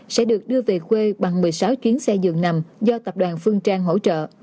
sẽ được đưa về khuê bằng một mươi sáu chuyến xe dường nằm do tập đoàn phương trang hỗ trợ